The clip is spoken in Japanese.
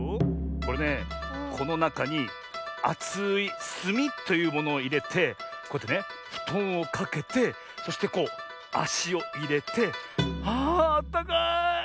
これねこのなかにあつい「すみ」というものをいれてこうやってねふとんをかけてそしてこうあしをいれてああったかい。